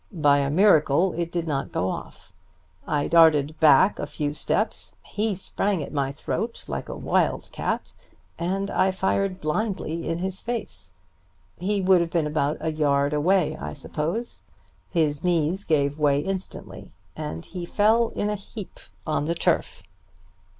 By a miracle it did not go off. I darted back a few steps, he sprang at my throat like a wild cat, and I fired blindly in his face. He would have been about a yard away, I suppose. His knees gave way instantly, and he fell in a heap on the turf.